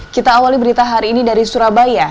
kita awali berita hari ini dari surabaya